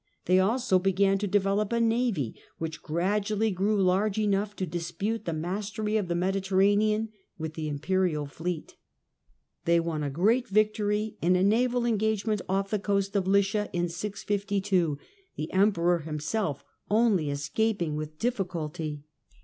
They also began to develop a navy which gradually grew large enough to dispute the mastery of the Mediterranean with the Imperial fleet. They won a great victory in a naval engagement off the coast of Lycia in 652, the Emperor himself only escaping with difficulty.